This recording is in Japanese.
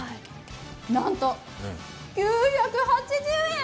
なんと、９８０円！